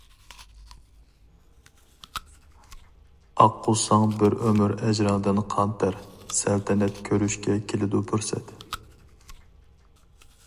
ئاققۇزساڭ بىر ئۆمۈر ئەجرىڭدىن قان-تەر، سەلتەنەت سۈرۈشكە كېلىدۇ پۇرسەت.